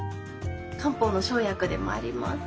漢方の生薬でもあります。